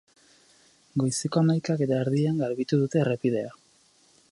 Goizeko hamaikak eta erdian garbitu dute errepidea.